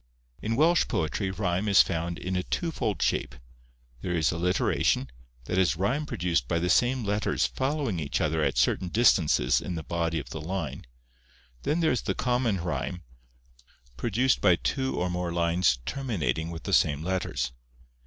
In Welsh poetry rhyme is found in a twofold shape: there is alliteration, that is rhyme produced by the same letters following each other at certain distances in the body of the line, then there is the common rhyme, produced by two or more lines terminating with the same letters.